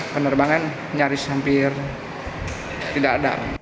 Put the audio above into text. penerbangan nyaris hampir tidak ada